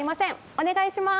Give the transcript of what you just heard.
お願いします！